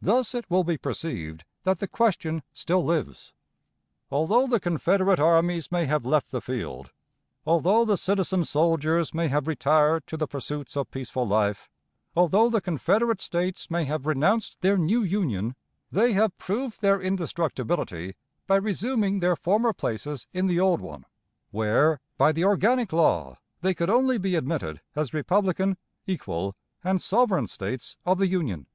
Thus it will be perceived that the question still lives. Although the Confederate armies may have left the field, although the citizen soldiers may have retired to the pursuits of peaceful life, although the Confederate States may have renounced their new Union, they have proved their indestructibility by resuming their former places in the old one, where, by the organic law, they could only be admitted as republican, equal, and sovereign States of the Union.